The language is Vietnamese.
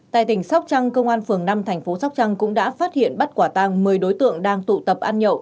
tại tỉnh sóc trăng công an phường năm thành phố sóc trăng cũng đã phát hiện bắt quả tang một mươi đối tượng đang tụ tập ăn nhậu